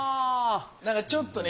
なんかちょっとね